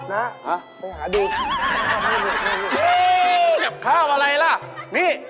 นี่เรามันมีอะไรมากินบ้างเนี่ย